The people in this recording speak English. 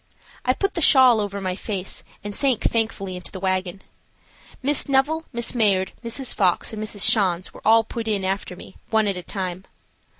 I put the shawl over my face, and sank thankfully into the wagon. Miss Neville, Miss Mayard, Mrs. Fox, and Mrs. Schanz were all put in after me, one at a time.